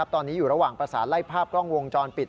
ตอนนี้อยู่ระหว่างประสานไล่ภาพกล้องวงจรปิด